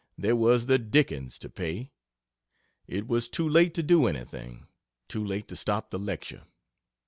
There was the dickens to pay. It was too late to do anything too late to stop the lecture.